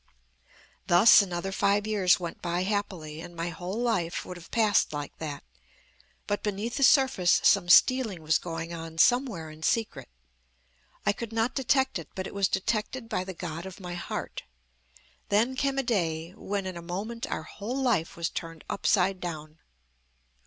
"Thus another five years went by happily, and my whole life would have passed like that; but beneath the surface some stealing was going on somewhere in secret. I could not detect it; but it was detected by the God of my heart. Then came a day when, in a moment our whole life was turned upside down.